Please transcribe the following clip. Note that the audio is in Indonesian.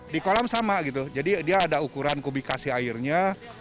di kolam sama gitu jadi dia ada ukuran kubikasi airnya